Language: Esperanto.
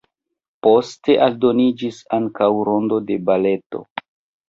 Poste aldoniĝis ankaŭ rondo de baleto.